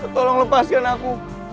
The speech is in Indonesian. tolong lepaskan aku